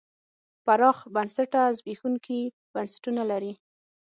پراخ بنسټه زبېښونکي بنسټونه لري.